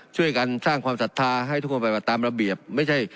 ช่วยกันสร้างความศรัทธาให้ทุกคนปฏิบัติตามระเบียบไม่ใช่